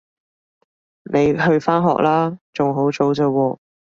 你去返學喇？仲好早咋喎